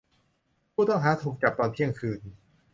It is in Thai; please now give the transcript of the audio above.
ผู้ต้องหาถูกจับตอนเที่ยงคืน